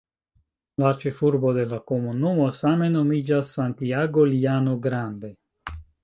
La ĉefurbo de la komunumo same nomiĝas "Santiago Llano Grande".